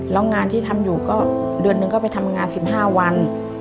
แล้วงานที่ทำอยู่ก็เดือนหนึ่งก็ไปทำงาน๑๕วัน